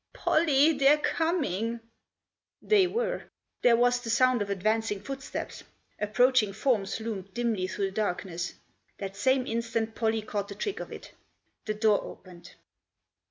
" Pollie !— they're coming !" They were. There was the sound of advancing footsteps. Approaching forms loomed dimly through Digitized by ONE WAY IN. 93 the darkness. That same instant Pollie caught the trick of it ; the door opened.